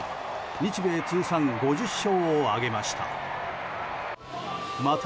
日米通算５０勝を挙げました。